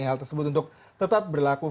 hal tersebut untuk tetap berlaku